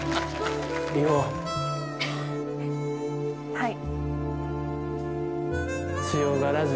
はい。